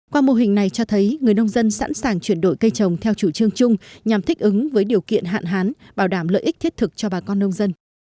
qua mô hình này cho thấy người nông dân sẵn sàng chuyển đổi cây trồng theo chủ trương chung nhằm thích ứng với điều kiện hạn hán bảo đảm lợi ích thiết thực cho bà con nông dân